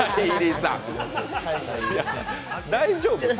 大丈夫？